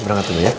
berangkat dulu ya